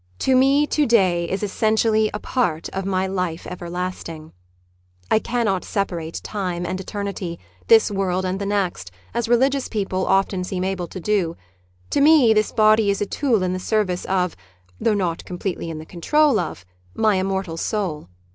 To me to day is essentially a fart of my Life Everlasting. I cannot separate time and eternity, this world and the next, as religious people often seem able to do; to me tins body is a tool in the service of (though not completely in the control of) my immortal soul.